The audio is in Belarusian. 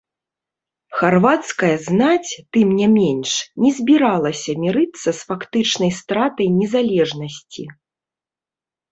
Харвацкая знаць, тым не менш, не збіралася мірыцца з фактычнай стратай незалежнасці.